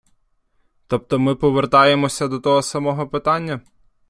Тобто ми повертаємося до того самого питання.